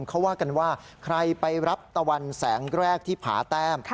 เขาว่ากันว่าใครไปรับตะวันแสงแรกที่ผาแต้ม